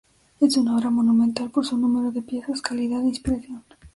Es una obra monumental por su número de piezas, calidad e inspiración.